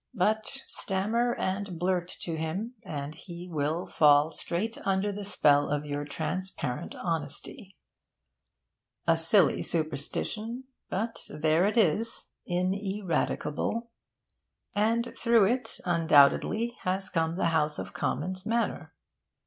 But stammer and blurt to him, and he will fall straight under the spell of your transparent honesty. A silly superstition; but there it is, ineradicable; and through it, undoubtedly, has come the house of Commons manner.